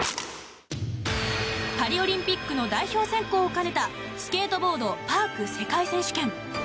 パリオリンピックの代表選考を兼ねたスケートボード・パーク世界選手権。